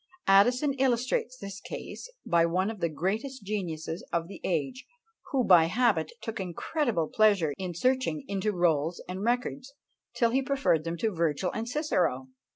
Addison illustrates this case by one of the greatest geniuses of the age, who by habit took incredible pleasure in searching into rolls and records, till he preferred them to Virgil and Cicero!